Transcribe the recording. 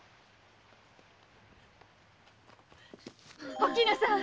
お絹さん！